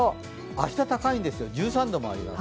明日高いんですよ、１３度もあります。